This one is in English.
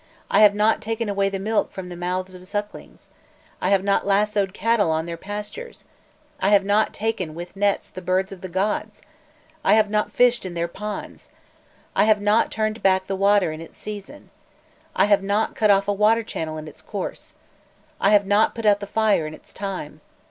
I have not taken away the milk from the mouths of sucklings! I have not lassoed cattle on their pastures! I have not taken with nets the birds of the gods! I have not fished in their ponds! I have not turned back the water in its season! I have not cut off a water channel in its course! I have not put out the fire in its time!